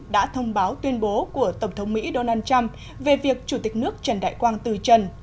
đã thông báo tuyên bố của tổng thống mỹ donald trump về việc chủ tịch nước trần đại quang từ trần